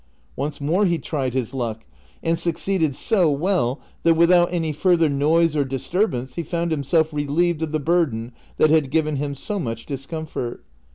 Once more he tried his luck, and succeeded so well, that with out any further noise or disturbance he found himself relieved of the burden that had given him so much discomfort.